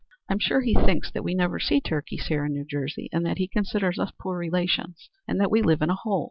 I'm sure he thinks that we never see turkeys here in New Jersey, and that he considers us poor relations and that we live in a hole.